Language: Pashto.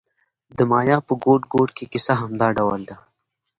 د مایا په ګوټ ګوټ کې کیسه همدا ډول ده.